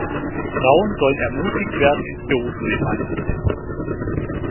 Frauen sollen ermutigt werden, ins Berufsleben einzutreten.